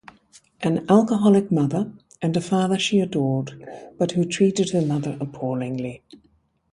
An alcoholic mother and a father she adored but who treated her mother appallingly.